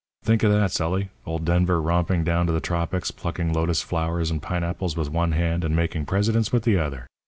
Think of that, Sully! Old Denver romping down to the tropics, plucking lotus flowers and pineapples with one hand and making presidents with the other!